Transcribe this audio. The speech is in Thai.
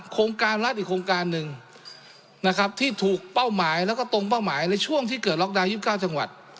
โครงการรัฐอีกโครงการหนึ่งนะครับที่ถูกเป้าหมายแล้วก็ตรงเป้าหมายในช่วงที่เกิดล็อกดาวน์๒๙จังหวัด